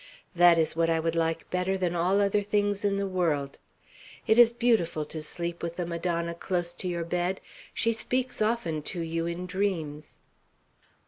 That is what I would like better than all other things in the world. It is beautiful to sleep with the Madonna close to your bed. She speaks often to you in dreams."